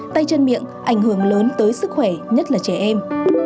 tay chân miệng ảnh hưởng lớn tới sức khỏe nhất là trẻ em